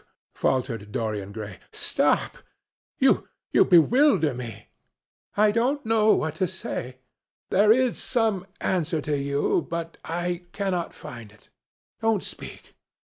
faltered Dorian Gray, "stop! you bewilder me. I don't know what to say. There is some answer to you, but I cannot find it. Don't speak.